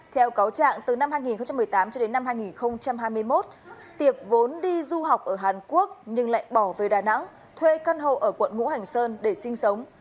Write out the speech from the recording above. theo cáo trạng từ năm hai nghìn một mươi tám cho đến năm hai nghìn hai mươi một tiệp vốn đi du học ở hàn quốc nhưng lại bỏ về đà nẵng thuê căn hộ ở quận ngũ hành sơn để sinh sống